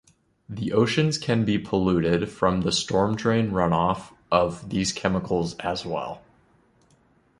The oceans can be polluted from the stormdrain runoff of these chemicals as well.